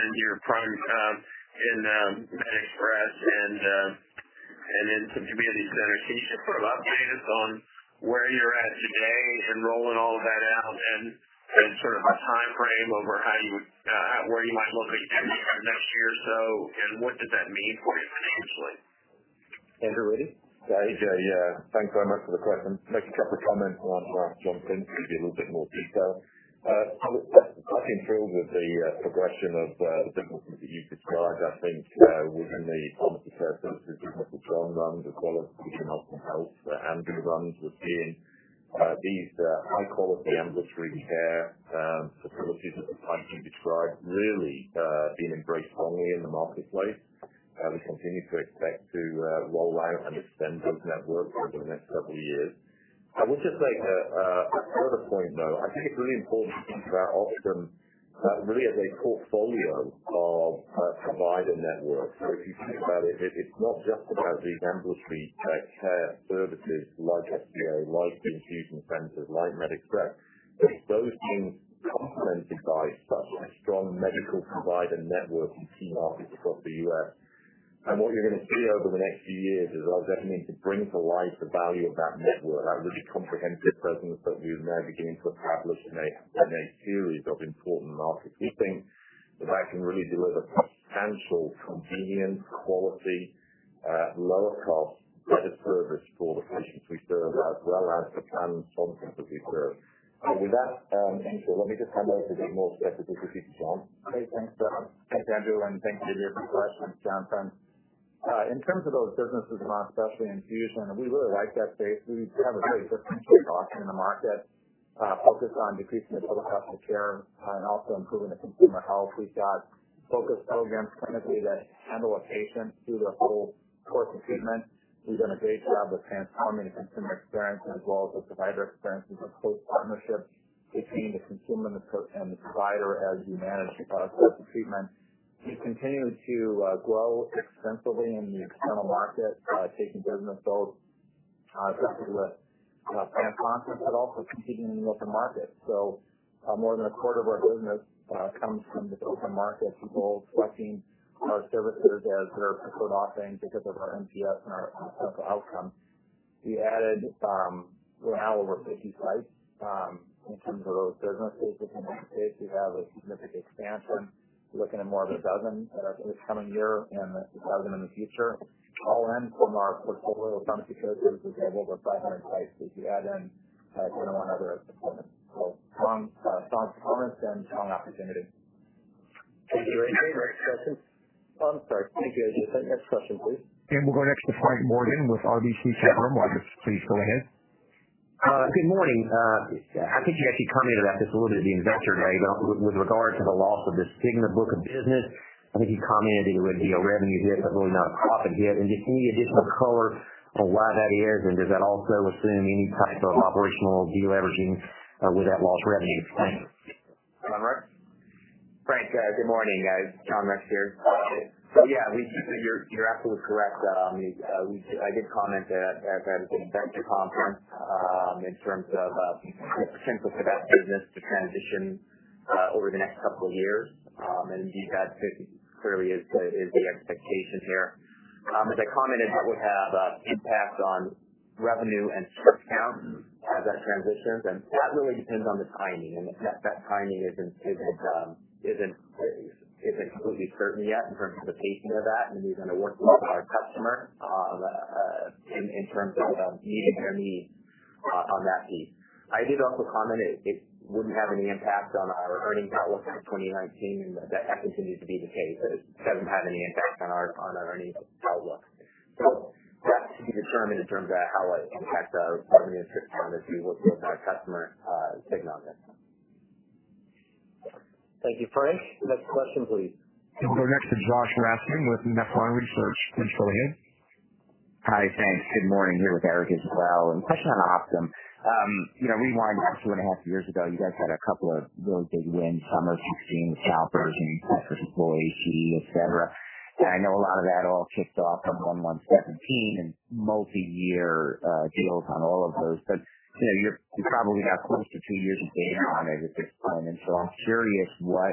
into your MedExpress and into community centers. Can you just update us on where you're at today in rolling all of that out and a timeframe over where you might look at next year or so, and what does that mean for you financially? Andrew Witty? Yeah, A.J. Thanks very much for the question. Then I'll ask John Prince to give you a little bit more detail. I'm thrilled with the progression of the businesses that you've described. I think within the pharmacy care services business that John runs, as well as vision, optical, and health, that Andrew runs, we're seeing these high-quality ambulatory care services that John Prince described really being embraced strongly in the marketplace. We continue to expect to roll out and extend those networks over the next couple of years. I will just say, one other point, though, I think it's really important to think about Optum really as a portfolio of provider networks. If you think about it's not just about these ambulatory care services like FPA, like the infusion centers, like MedExpress, but those being complemented by such a strong medical provider network and team offered across the U.S. What you're going to see over the next few years is our determination to bring to life the value of that network, that really comprehensive presence that we're now beginning to establish in a series of important markets. We think that that can really deliver substantial convenience, quality, lower cost, better service for the patients we serve, as well as the plan sponsors that we serve. With that, let me just hand over to give more specificity to John. Okay. Thanks, Andrew, and thanks for your question, John Prince. In terms of those businesses around specialty infusion, we really like that space. We have a really differentiated offering in the market, focused on decreasing the total cost of care and also improving the consumer health. We've got focused programs clinically that handle a patient through their whole course of treatment. We've done a great job of transforming the consumer experience as well as the provider experience. There's a close partnership between the consumer and the provider as you manage through the course of treatment. We continue to grow extensively in the external market, taking business both contracted with plan sponsors, but also competing in the open market. More than a quarter of our business comes from the open market, people selecting our services as their preferred offering because of our NPS and our health outcome. We're now over 50 sites in terms of those businesses. As we look ahead, we have a significant expansion. We're looking at more of 12 this coming year and 12 in the future, all in from our portfolio of pharmacy care services at over 500 sites as we add in one or other component. Strong performance and strong opportunity. Thank you, Andrew. Next question. I'm sorry. Thank you, Andrew. Next question, please. We'll go next to Frank Morgan with RBC Capital Markets. Please go ahead. Good morning. I think you actually commented on this a little bit at the investor day with regard to the loss of the Cigna book of business. I think you commented it would be a revenue hit, but really not a profit hit. Just any additional color on why that is, and does that also assume any type of operational de-leveraging with that lost revenue? Thanks. John Rex. Frank, good morning. John Rex here. Yeah, you're absolutely correct. I did comment at Investor Conference in terms of the potential for that business to transition over the next two years. Indeed, that clearly is the expectation here. As I commented, that would have impact on revenue and strip count as that transitions, That really depends on the timing, That timing isn't completely certain yet in terms of the pacing of that, We're going to work with our customer in terms of meeting their needs on that piece. I did also comment it wouldn't have any impact on our earnings outlook for 2019, and that continues to be the case. It doesn't have any impact on our earnings outlook. That's to be determined in terms of how it impacts our revenue and strip count as we work with our customer, Cigna, on that. Thank you, Frank. Next question, please. We'll go next to Joshua Raskin with Nephron Research. Please go ahead. Hi, thanks. Good morning. Here with Eric as well, a question on Optum. Rewind two and a half years ago, you guys had a couple of really big wins, summer 2016 with Chalmers and Patrick's Boys, GE, et cetera. I know a lot of that all kicked off on one month 2017 and multi-year deals on all of those. You probably have close to two years of data on it at this point. I'm curious what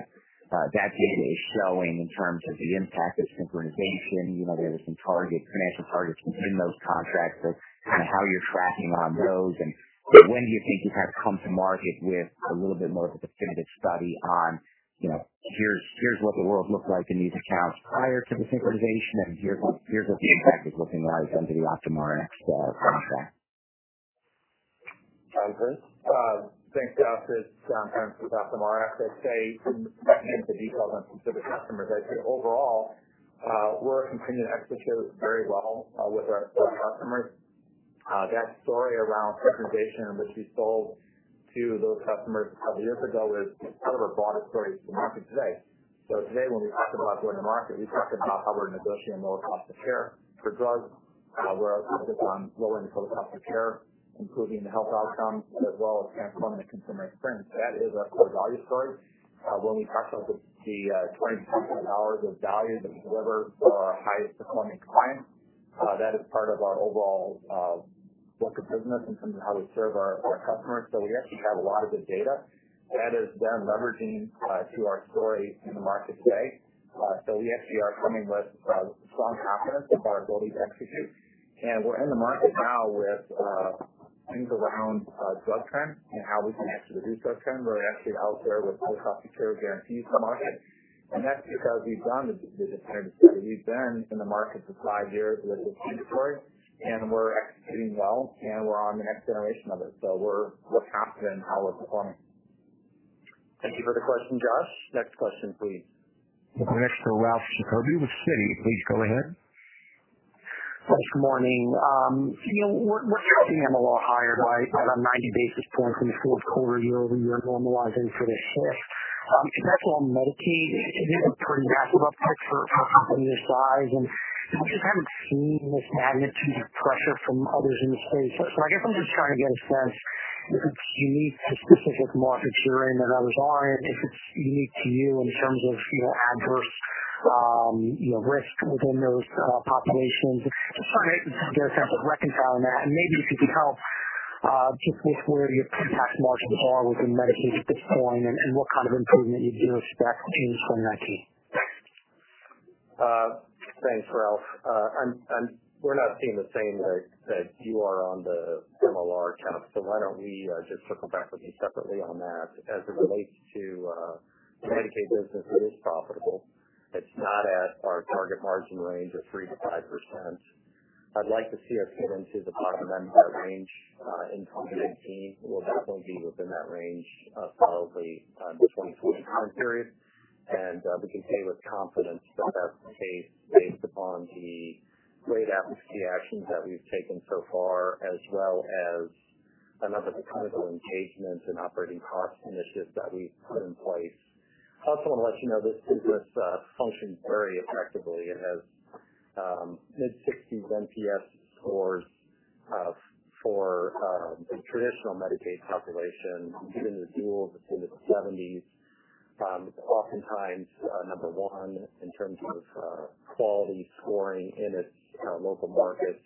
that data is showing in terms of the impact of synchronization. There were some financial targets within those contracts of how you're tracking on those. When do you think you kind of come to market with a little bit more of a definitive study on, "Here's what the world looked like in these accounts prior to the synchronization, and here's what the impact is looking like under the OptumRx contract. John Prince. Thanks, Joshua Raskin. It's John Prince with OptumRx. I'd say, not to get into details on specific customers, I'd say overall, we're continuing to execute very well with our customers. That story around synchronization, which we sold to those customers a couple years ago, is part of our broader story to market today. Today, when we talk about going to market, we talk about how we're negotiating lower cost of care for drugs. We're focused on lowering the total cost of care, including the health outcome, as well as transforming the consumer experience. That is our core value story. When we talk about the 24 point hours of value that we deliver for our highest performing clients, that is part of our overall book of business in terms of how we serve our customers. We actually have a lot of the data that is then leveraging to our story in the market today. We actually are coming with strong confidence in our ability to execute. We're in the market now with things around drug trends and how we can actually reduce drug trends. We're actually out there with prescription care guarantees to market. That's because we've done the kinds of things. We've been in the market for five years with this inventory. We're executing well, and we're on the next generation of it. We're confident in how we're performing. Thank you for the question, Joshua Raskin. Next question, please. We'll go next to Ralph Giacobbe with Citi. Please go ahead. Good morning. Your MLR higher by about 90 basis points in the fourth quarter year-over-year, normalizing for this shift. Is that all Medicaid? Is it a pretty robust book for a company this size? We just haven't seen this magnitude of pressure from others in the space. I guess I'm just trying to get a sense if it's unique to specific markets you're in that others aren't, if it's unique to you in terms of adverse risk within those populations. Just trying to get a sense of reconciling that and maybe if you could help, just with where your [target] margins are within Medicaid at this point and what kind of improvement you'd expect in 2019. Thanks, Ralph. We're not seeing the same that you are on the MLR count. Why don't we just circle back with you separately on that? As it relates to the Medicaid business, it is profitable. It's not at our target margin range of 3%-5%. I'd like to see us get into the bottom end of that range in 2019. We'll definitely be within that range probably the 2020 time period, we can say with confidence that that's the case based upon the great actions that we've taken so far, as well as a number of the engagements and operating cost initiatives that we've put in place. Also want to let you know this business functions very effectively and has mid-sixties NPS scores for a traditional Medicaid population. Even the duals, it's in the 70s. It's oftentimes number one in terms of quality scoring in its local markets.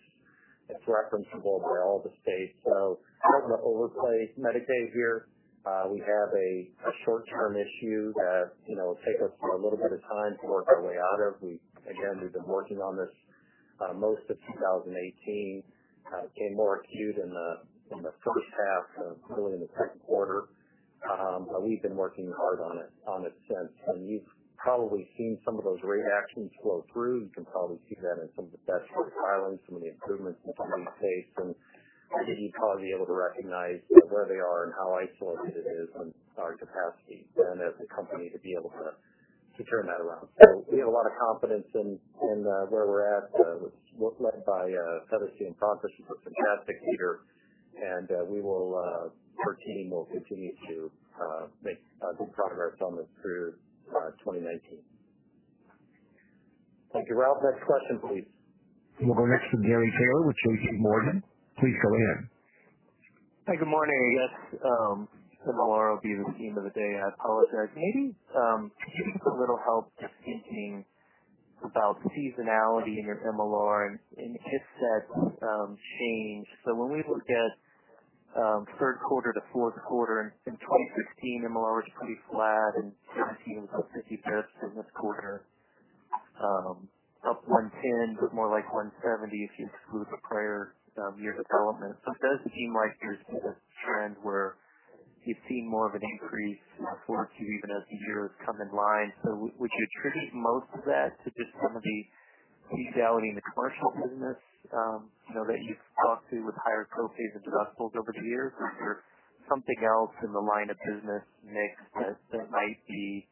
It's referenceable by all the states. Not going to overplay Medicaid here. We have a short-term issue that will take us a little bit of time to work our way out of. Again, we've been working on this most of 2018. It became more acute in the first half and really in the second quarter. We've been working hard on it since. You've probably seen some of those reactions flow through. You can probably see that in some of the stats we're filing, some of the improvements that we've faced, I think you'd probably be able to recognize where they are and how isolated it is in our capacity and as a company to be able to turn that around. We have a lot of confidence in where we're at, led by Heather Cianfrocco, who's a fantastic leader, her team will continue to make good progress on this through 2019. Thank you, Ralph. Next question, please. We'll go next to Gary Taylor with JPMorgan. Please go ahead. Hey, good morning. I guess MLR will be the theme of the day. I apologize. Maybe you could give a little help just thinking about seasonality in your MLR and if that's changed. When we look at third quarter to fourth quarter in 2016, MLR was pretty flat and 2017, up 50 basis points in this quarter, up 110, but more like 170 if you exclude the prior year development. It does seem like there's been a trend where you're seeing more of an increase quarter to even as the year has come in line. Would you attribute most of that to just some of the seasonality in the commercial business that you've talked to with higher copays and deductibles over the years? Or something else in the line of business mix that might be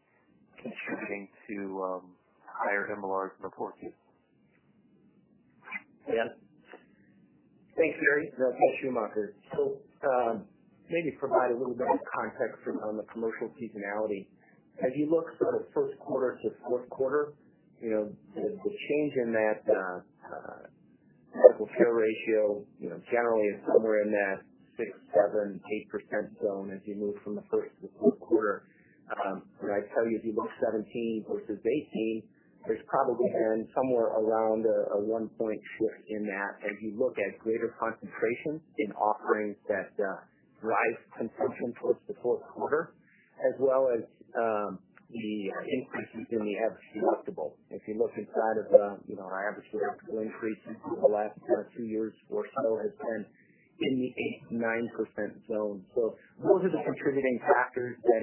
contributing to higher MLRs quarter to? Yeah. Thanks, Gary. That's Dan Schumacher. Maybe provide a little bit of context on the commercial seasonality. As you look sort of first quarter to fourth quarter, the change in that medical care ratio generally is somewhere in that 6%, 7%, 8% zone as you move from the first to fourth quarter. When I tell you, as you look 2017 versus 2018, there's probably been somewhere around a one-point shift in that as you look at greater concentration in offerings that drive consumption towards the fourth quarter, as well as the increases in the average deductible. If you look inside of our average deductible increases over the last two years or so has been in the 8%-9% zone. Those are the contributing factors that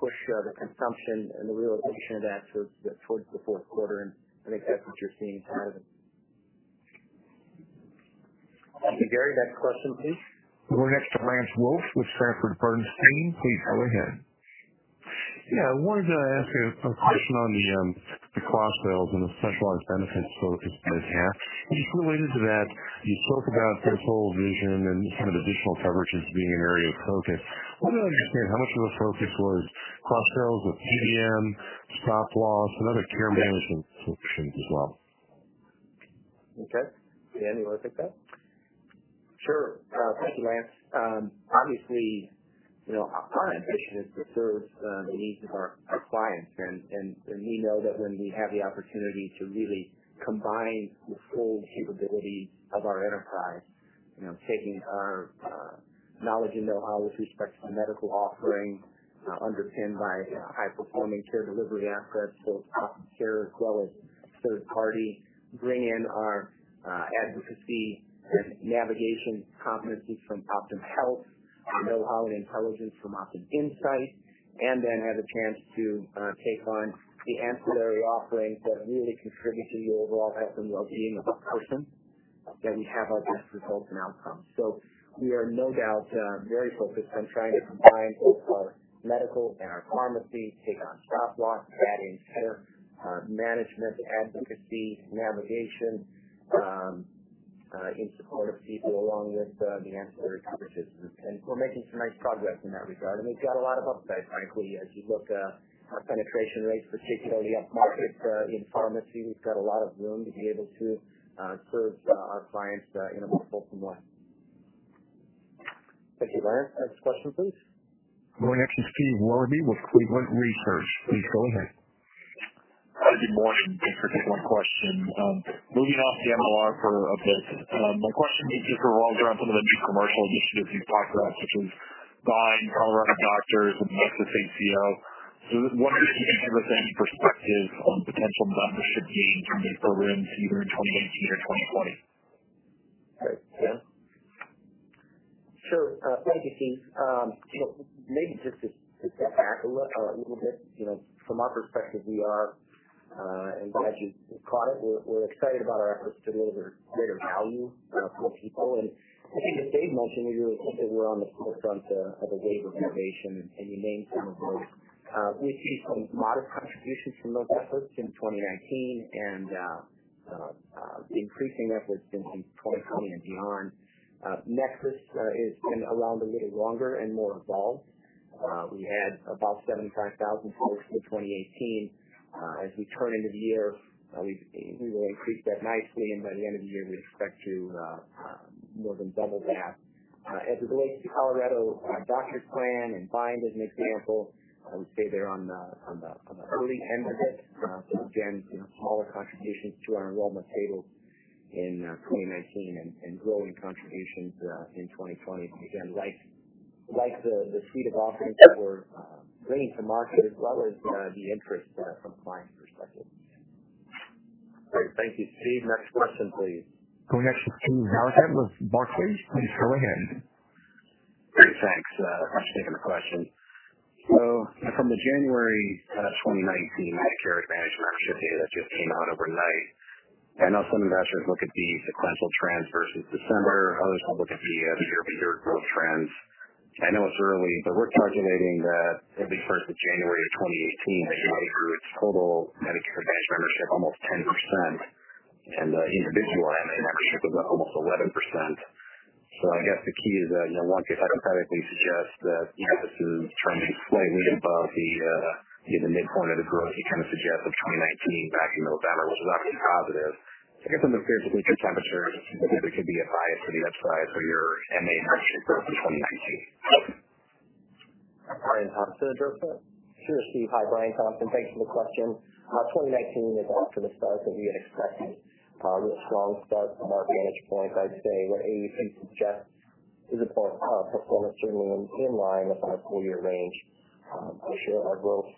push the consumption and the realization of that towards the fourth quarter, and I think that's what you're seeing out of it. Thank you, Gary. Next question, please. We'll go next to Lance Wilkes with Sanford C. Bernstein. Please go ahead. I wanted to ask a question on the cross-sells and the specialized benefits focus you have. Related to that, you spoke about dental, vision, and kind of additional coverages being an area of focus. Wanted to understand how much of the focus was cross-sells with PBM, stop loss, and other care management solutions as well. Dan, you want to take that? Thank you, Lance. Obviously, our ambition is to serve the needs of our clients. We know that when we have the opportunity to really combine the full capability of our enterprise, taking our knowledge and know-how with respect to the medical offering, underpinned by high-performing care delivery assets, both Optum Care as well as third party, bring in our advocacy, navigation competencies from OptumHealth, the know-how and intelligence from Optum Insight, then have a chance to take on the ancillary offerings that really contribute to the overall health and well-being of a person, then we have our best results and outcomes. We are no doubt very focused on trying to combine both our medical and our pharmacy, take on stop-loss, add in care management, advocacy, navigation, in support of people along with the ancillary coverages. We're making some nice progress in that regard. We've got a lot of upside, frankly. As you look our penetration rates, particularly up market in pharmacy, we've got a lot of room to be able to serve our clients in a more wholesome way. Thank you, Lance. Next question, please. Going next to Steve Willoughby with Cleveland Research. Please go ahead. Good morning. Thanks for taking my question. Moving off the MLR for a bit, my question just revolves around some of the new commercial initiatives you've talked about, such as buying Colorado Doctors with NexusACO. I was wondering if you can give us any perspective on potential membership gains from these programs either in 2018 or 2020. Great. Dan? Sure. Thank you, Steve. Maybe just to step back a little bit, from our perspective we are, and as you caught it, we're excited about our efforts to deliver greater value for people. I think as Dave mentioned, we really think that we're on the forefront of a wave of innovation, and you named some of those. We see some modest contributions from those efforts in 2019 and increasing efforts in 2020 and beyond. NexusACO has been around a little longer and more evolved. We had about 75,000 folks in 2018. As we turn into the year, we will increase that nicely, and by the end of the year, we expect to more than double that. As it relates to Colorado Doctors Plan and Bind as an example, I would say they're on the early end of it. Again, smaller contributions to our enrollment table in 2019 and growing contributions, in 2020. Again, like the suite of offerings that we're bringing to market as well as the interest from clients' perspective. Great. Thank you, Steve. Next question, please. Going next to Steve Valiquette Barclays. Please go ahead. Great. Thanks. Thanks for taking the question. From the January 2019 Medicare Advantage membership data that just came out overnight, I know some investors look at the sequential trends versus December, others might look at the year-over-year growth trends. I know it's early, but we're calculating that as of the first of January of 2018, UnitedHealth Group's total Medicare Advantage membership almost 10%, and the individual MA membership was up almost 11%. I guess the key is that one could hypothetically suggest that this is trending slightly above the mid-point of the growth you kind of suggest of 2019 back in November, which is actually positive. I guess I'm just curious if you could temper it, if there could be a bias to the upside for your MA membership growth in 2019. Brian Thompson. Sure, Steve. Hi, Brian Thompson. Thanks for the question. 2019 is off to the start that we had expected. A strong start from our advantage point, I'd say what AEP suggests is about performance remaining in line with our full year range. I'm sure our growth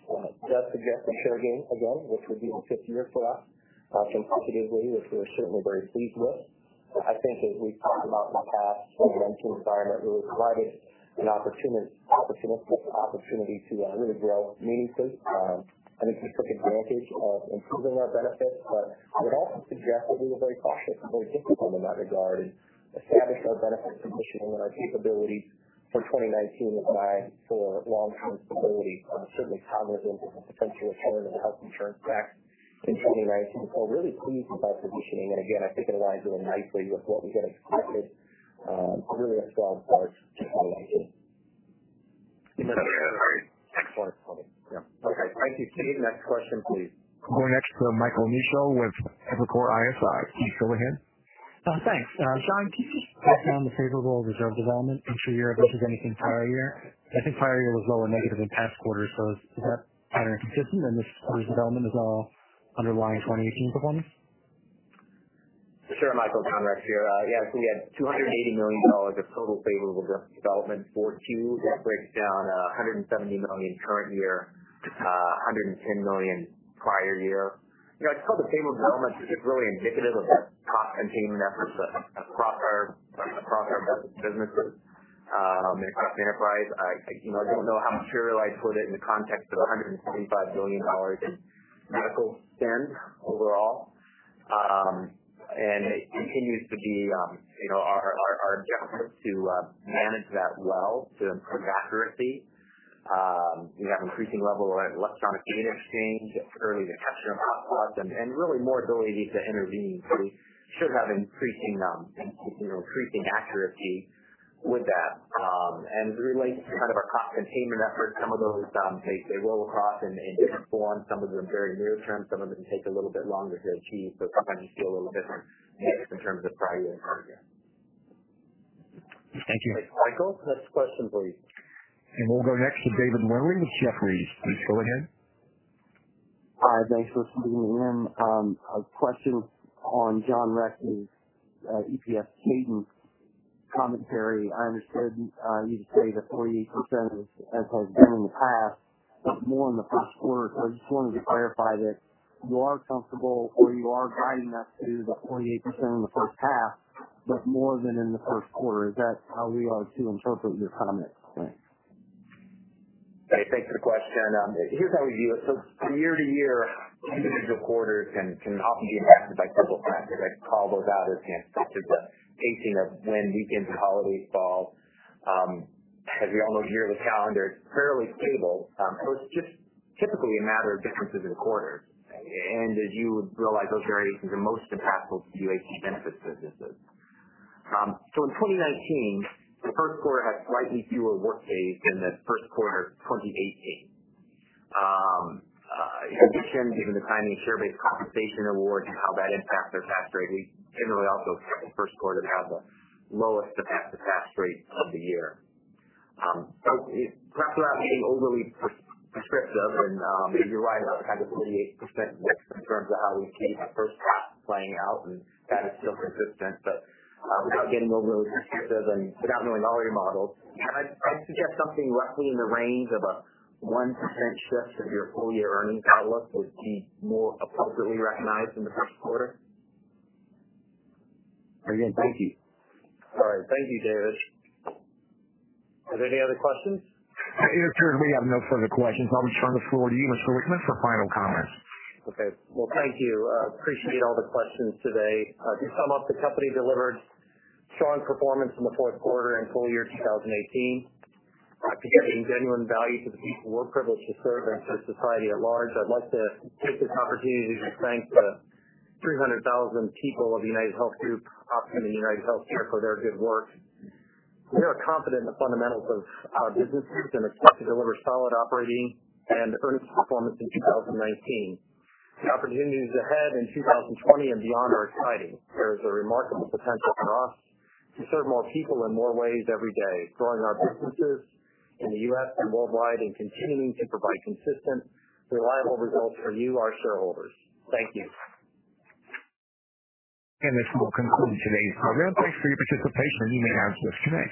does suggest a share gain again, which would be the fifth year for us, from a competitive way, which we're certainly very pleased with. I think as we've talked about in the past, the regulatory environment really provided an opportunistic opportunity to really grow meaningfully. I think we took advantage of improving our benefits, but I would also suggest that we were very cautious and very disciplined in that regard and established our benefit positioning and our capabilities for 2019 and beyond for long-term stability. Certainly cognizant of the potential return of the Health Insurance Tax in 2019. Really pleased with our positioning. Again, I think it aligns really nicely with what we had expected. Really a strong start to 2019. In the second half of 2020, yeah. Okay, thank you, Steve. Next question, please. Going next to Michael Newshel with Evercore ISI. Please go ahead. Thanks. John, can you just talk on the favorable reserve development intra-year versus anything prior year? I think prior year was lower negative in past quarters, is that pattern consistent and this reserve development is all underlying 2018 performance? Sure, Michael, Dan Schumacher here. Yes, we had $280 million of total favorable reserve development for Q. That breaks down $170 million current year, $110 million prior year. I'd call it favorable development because it's really indicative of the cost-containment efforts across our businesses, across the enterprise. I don't know how to materialize, put it in the context of $175 billion in medical spend overall. It continues to be our objective to manage that well, to improve accuracy. We have increasing level of electronic data exchange, early detection of outputs, and really more ability to intervene. So we should have increasing accuracy with that. Related to kind of our cost-containment effort, some of those, they roll across in different forms. Some of them very near term, some of them take a little bit longer to achieve. Sometimes you see a little different mix in terms of prior year and current year. Thank you, Michael. Next question, please. We'll go next to David Windley with Jefferies. Please go ahead. Hi, thanks for letting me in. A question on John Rex's EPS cadence commentary. I understood you to say the 48% as has been in the past, but more in the first quarter. I just wanted to clarify that you are comfortable or you are guiding us to the 48% in the first half, but more than in the first quarter. Is that how we are to interpret your comments? Okay, thanks for the question. Here's how we view it. From year to year, individual quarters can often be impacted by several factors. I call those out as the pacing of when weekends and holidays fall. As we all know, the year of the calendar is fairly stable. It's just typically a matter of differences in quarters. As you would realize, those variations are most impactful to UHC benefits businesses. In 2019, the first quarter had slightly fewer work days than the first quarter of 2018. In addition, given the timing of share-based compensation awards and how that impacts our tax rate, we generally also see the first quarter to have the lowest effective tax rate of the year. Perhaps without being overly prescriptive, and you're right, that kind of 48% mix in terms of how we see the first half playing out, and that is still consistent. Without getting overly prescriptive and without knowing all your models, I'd suggest something roughly in the range of a 1% shift of your full-year earnings outlook would be more appropriately recognized in the first quarter. Again, thank you. All right. Thank you, David. Are there any other questions? It appears we have no further questions. I'll just turn the floor to you, Mr. Wichmann, for final comments. Okay. Well, thank you. Appreciate all the questions today. To sum up, the company delivered strong performance in the fourth quarter and full year 2018. To creating genuine value to the people we're privileged to serve and to society at large, I'd like to take this opportunity to thank the 300,000 people of UnitedHealth Group Optum and UnitedHealthcare for their good work. We are confident in the fundamentals of our businesses and expect to deliver solid operating and earnings performance in 2019. The opportunities ahead in 2020 and beyond are exciting. There is a remarkable potential for us to serve more people in more ways every day, growing our businesses in the U.S. and worldwide and continuing to provide consistent, reliable results for you, our shareholders. Thank you. This will conclude today's conference. Thanks for your participation. You may now disconnect.